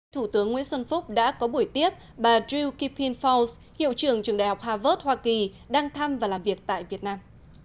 thủ tướng nguyễn xuân phúc đã có buổi tiếp bà drew kippin falls hiệu trưởng trường đại học harvard hoa kỳ đang thăm và làm việc tại việt nam